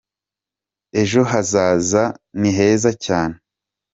Ejo hazaza niheza cyane.